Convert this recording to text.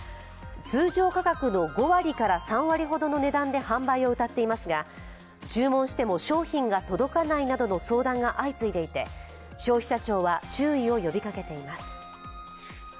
通常価格の５割から３割ほどの値段で販売をうたっていますが注文しても商品が届かないなどの相談が相次いでいて消費者庁は注意を呼びかけています。